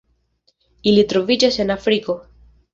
Ili troviĝas en Afriko.